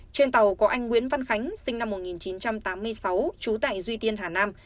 trên tàu có anh nguyễn văn khánh sinh năm một nghìn chín trăm tám mươi sáu trú tại duy tiên hà nam